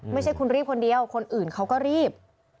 ไม่ใช่คุณรีบคนเดียวคนอื่นเขาก็รีบ